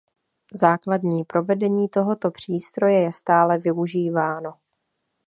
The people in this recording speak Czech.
Základní provedení tohoto přístroje je stále využíváno.